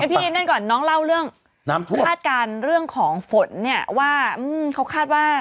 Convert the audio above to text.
พี่นั่นก่อนน้องเล่าเรื่องน้ำท่วมคาดการณ์เรื่องของฝนเนี่ยว่าเขาคาดว่า